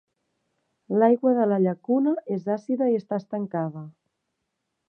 L'aigua de la llacuna és àcida i està estancada.